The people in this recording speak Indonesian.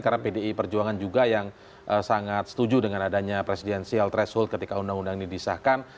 karena pdi perjuangan juga yang sangat setuju dengan adanya presidensial threshold ketika undang undang ini disahkan